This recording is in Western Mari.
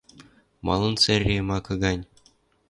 Малын цӹре макы гань?